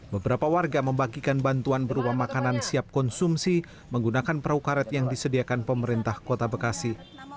beberapa warga membagikan bantuan berupa makanan siap konsumsi menggunakan perahu karet yang disediakan pemerintah kota bekasi